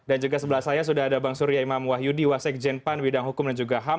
dan juga sebelah saya sudah ada bang surya imam wahyudi wasek jenpan widang hukum dan juga ham